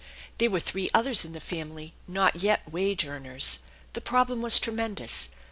There were three others in the family, not yet wage earners. The problem was tremendous.